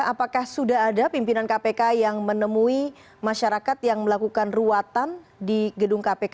apakah sudah ada pimpinan kpk yang menemui masyarakat yang melakukan ruatan di gedung kpk